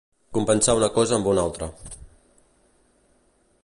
Compensar una cosa amb una altra.